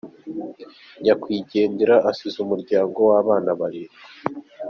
Nyakwigendera asize umuryango w'abana barindwi.